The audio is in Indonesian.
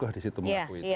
ya masih menganggap itu ada